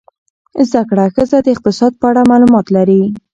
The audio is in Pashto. زده کړه ښځه د اقتصاد په اړه معلومات لري.